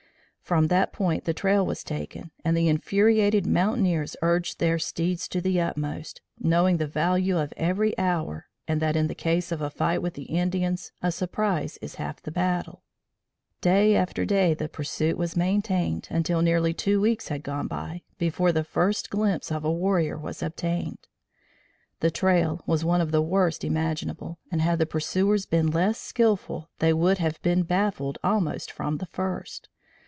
From that point the trail was taken and the infuriated mountaineers urged their steeds to the utmost, knowing the value of every hour and that in the case of a fight with the Indians a surprise is half the battle. Day after day the pursuit was maintained until nearly two weeks had gone by, before the first glimpse of a warrior was obtained. The trail was one of the worst imaginable, and, had the pursuers been less skilful, they would have been baffled almost from the first.